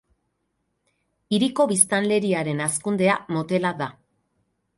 Hiriko biztanleriaren hazkundea motela da.